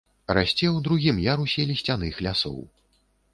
Расце ў другім ярусе лісцяных лясоў.